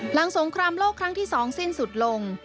สงครามโลกครั้งที่๒สิ้นสุดลง